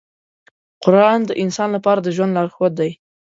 قرآن د انسان لپاره د ژوند لارښود دی.